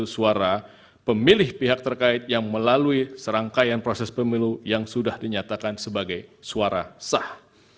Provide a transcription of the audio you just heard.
sembilan puluh enam dua ratus empat belas enam ratus sembilan puluh satu suara pemilih pihak terkait yang melalui serangkaian proses pemilu yang sudah dinyatakan sebagai suara sah